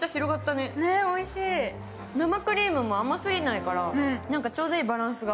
ねえおいしい、生クリームも甘すぎないから、ちょうどいいバランスが。